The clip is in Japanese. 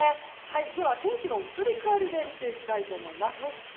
では天気の移り変わりで見ていきたいと思います。